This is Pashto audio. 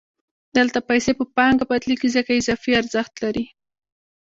دلته پیسې په پانګه بدلېږي ځکه اضافي ارزښت لري